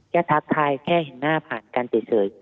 ทักทายแค่เห็นหน้าผ่านกันเฉย